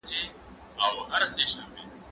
زه هره ورځ موسيقي اورم،